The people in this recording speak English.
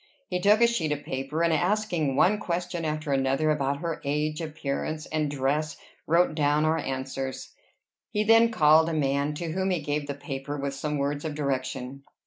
He took a sheet of paper, and asking one question after another about her age, appearance, and dress, wrote down our answers. He then called a man, to whom he gave the paper, with some words of direction.